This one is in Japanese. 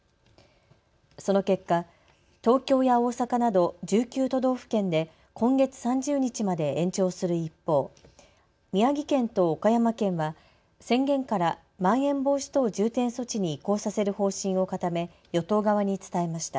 その結果、東京や大阪など１９都道府県で今月３０日まで延長する一方、宮城県と岡山県は宣言からまん延防止等重点措置に移行させる方針を固め与党側に伝えました。